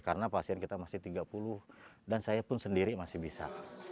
karena pasien kita masih tiga puluh dan saya pun sendiri masih bisa